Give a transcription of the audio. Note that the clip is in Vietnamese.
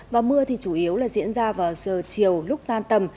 và mưa thì chủ yếu là diễn ra vào giờ chiều lúc tan tầm